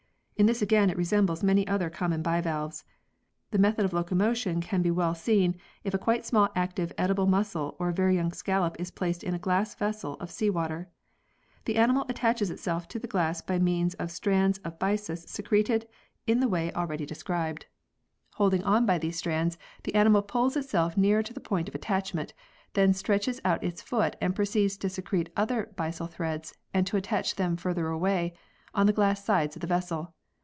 In this again it resembles many other common bivalves. The method of locomotion can be well seen if a quite small active edible mussel or a very young scallop is placed in a glass vessel of sea water. The animal attaches itself to the glass by means of strands of byssus secreted in the way already iv] LIFE HISTORY AND ENVIRONMENT 45 described. Holding on by these strands the animal pulls itself nearer to the point of attachment, then stretches out its foot and proceeds to secrete other byssal threads and to attach them further away, on the glass sides of the vessel.